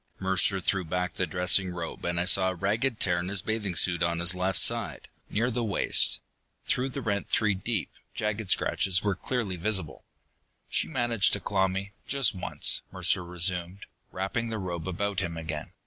Mercer threw back the dressing robe, and I saw a ragged tear in his bathing suit on his left side, near the waist. Through the rent three deep, jagged scratches were clearly visible. "She managed to claw me, just once," Mercer resumed, wrapping the robe about him again.